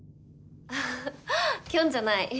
キョンじゃない。